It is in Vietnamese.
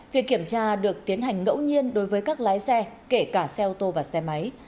việc kiểm tra được tiến hành ngẫu nhiên đối với các lái xe kể cả xe ô tô và xe máy